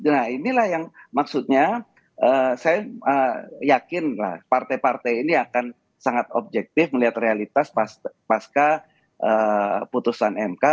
nah inilah yang maksudnya saya yakin lah partai partai ini akan sangat objektif melihat realitas pasca putusan mk